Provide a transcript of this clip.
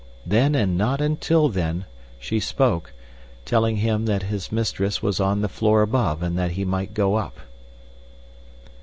Then, and not until then, she spoke, telling him that his mistress was on the floor above, and that he might go up.